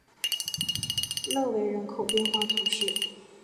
勒韦人口变化图示